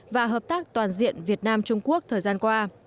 và hợp tác toàn diện việt nam trung quốc thời gian qua